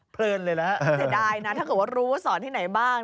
เลินเลยนะฮะเสียดายนะถ้าเกิดว่ารู้ว่าสอนที่ไหนบ้าง